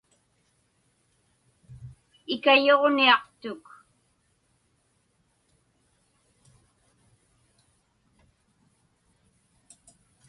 Ikayuġniaqtuk.